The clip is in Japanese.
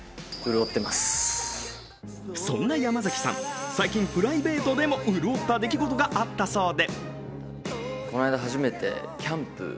そんな山崎さん、最近プライベートでも潤った出来事があったそうで。